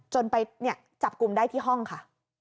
จนไปเนี่ยจับกลุ่มได้ที่ห้องค่ะ